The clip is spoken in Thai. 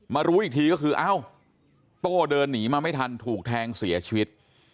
รู้อีกทีก็คือเอ้าโต้เดินหนีมาไม่ทันถูกแทงเสียชีวิต